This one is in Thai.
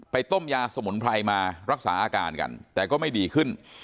ต้มยาสมุนไพรมารักษาอาการกันแต่ก็ไม่ดีขึ้น